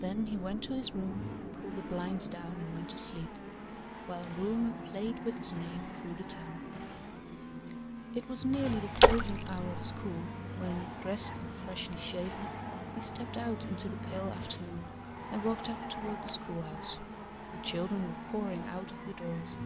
Then he went to his room, pulled the blinds down and went to sleep, while rumour played with his name through the town. It was nearly the closing hour of school when, dressed and freshly shaven, he stepped out into the pale afternoon and walked up toward the schoolhouse. The children were pouring out of the doors.